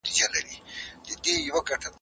د سالمي ټولني لپاره سالم سياست غوره کړئ.